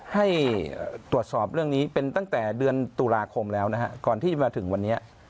ให้ตรวจสอบเรื่องนี้เป็นตั้งแต่เดือนตุลาคมแล้วนะฮะก่อนที่จะมาถึงวันนี้